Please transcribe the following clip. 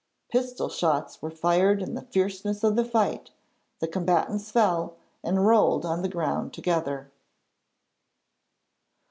Pistol shots were fired in the fierceness of the fight, the combatants fell, and rolled on the ground together.